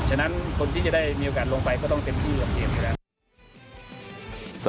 ฉะนั้นคนที่จะได้มีโอกาสลงไปก็ต้องเต็มที่กับเกมอยู่แล้ว